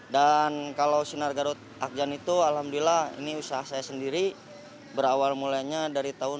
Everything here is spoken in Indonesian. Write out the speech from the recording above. dan kalau sinar garut akjan itu alhamdulillah ini usaha saya sendiri berawal mulainya dari tahun dua ribu sebelas